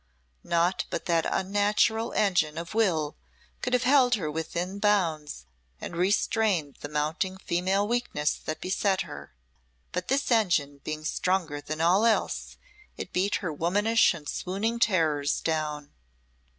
Naught but that unnatural engine of will could have held her within bounds and restrained the mounting female weakness that beset her; but this engine being stronger than all else, it beat her womanish and swooning terrors down.